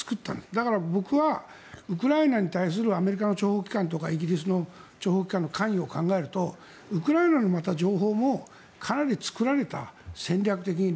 だから、僕もウクライナに対するアメリカの諜報機関とかイギリスの諜報機関の関与を考えるとウクライナの情報もかなり作られた、戦略的に。